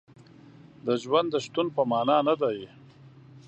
د ژوند د شتون په معنا نه دی.